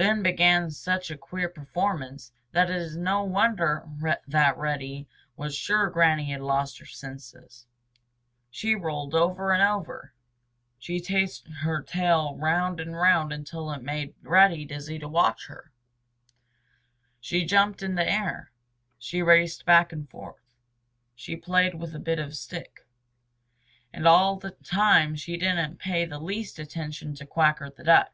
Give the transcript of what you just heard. Then began such a queer performance that it is no wonder that Reddy was sure Granny had lost her senses. She rolled over and over. She chased her tail round and round until it made Reddy dizzy to watch her. She jumped up in the air. She raced back and forth. She played with a bit of stick. And all the time she didn't pay the least attention to Quacker the Duck.